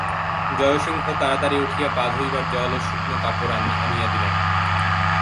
জয়সিংহ তাড়াতাড়ি উঠিয়া পা ধুইবার জল ও শুকনো কাপড় আনিয়া দিলেন।